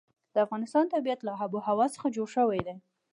د افغانستان طبیعت له آب وهوا څخه جوړ شوی دی.